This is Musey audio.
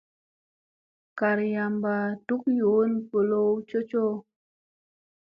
Garyamba kaa duk yoona ɓolow cocoo.